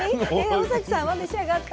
尾碕さんは召し上がった？